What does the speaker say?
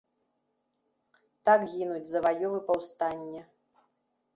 Так гінуць заваёвы паўстання.